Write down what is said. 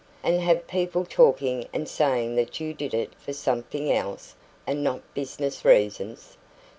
"And have people talking and saying that you did it for something else, and not business reasons."